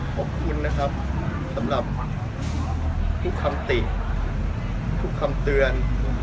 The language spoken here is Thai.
ขอบคุณนะครับสำหรับทุกคำติทุกคำเตือน